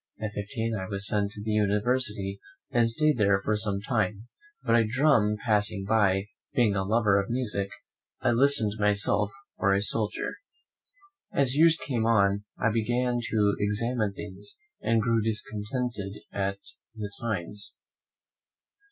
At fifteen I was sent to the university, and stayed there for some time; but a drum passing by, being a lover of music, I listed myself for a soldier. As years came on, I began to examine things, and grew discontented at the times.